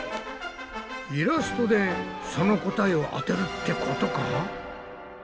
イラストでその答えを当てるってことか？